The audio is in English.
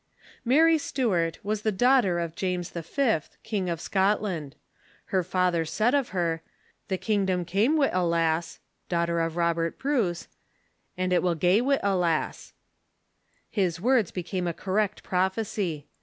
Mary Stuart was the daughter of James V., King of Scot land. Her father said of her :" The kingdom cam' wi' a lass [daughter of Robert Bruce], an' it wull gae wi' a '^'orscofs*" lass." His words became a correct prophecy.